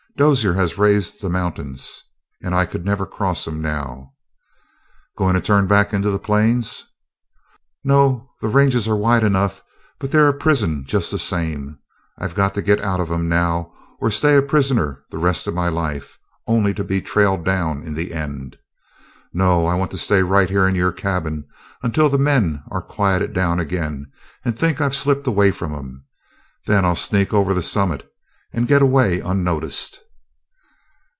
Dozier has raised the mountains, and I could never cross 'em now." "Going to turn back into the plains?" "No. The ranges are wide enough, but they're a prison just the same. I've got to get out of 'em now or stay a prisoner the rest of my life, only to be trailed down in the end. No, I want to stay right here in your cabin until the men are quieted down again and think I've slipped away from 'em. Then I'll sneak over the summit and get away unnoticed."